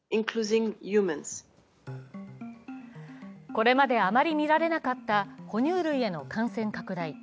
これまであまり見られなかった哺乳類への感染拡大。